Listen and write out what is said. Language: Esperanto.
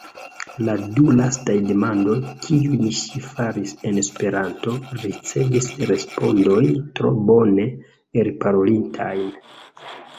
La du lastaj demandoj, kiujn ŝi faris en Esperanto, ricevis respondojn tro bone elparolitajn.